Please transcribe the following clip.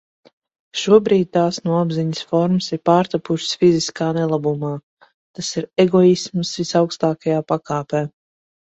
Šobrīd tās no apziņas formas ir pārtapušas fiziskā nelabumā. Tas ir egoisms visaugstākajā pakāpē.